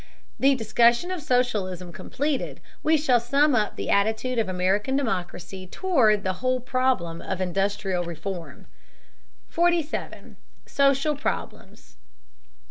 The discussion of socialism completed, we shall sum up the attitude of American democracy toward the whole problem of industrial reform. 47. SOCIAL PROBLEMS.